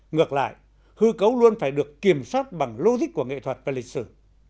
ngược lại hư cấu luôn phải được kiểm soát bằng logic của nghệ thuật và lịch sử